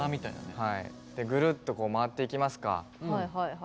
ぐるっと回っていきますか。